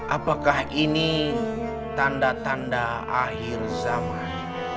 apakah ini tanda tanda akhir zaman